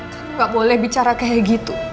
kamu gak boleh bicara kayak gitu